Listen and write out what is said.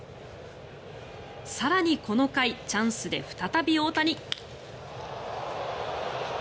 更にこの回チャンスで再び大谷。